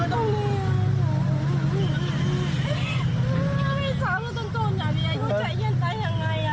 จังหวะครับจังหวะ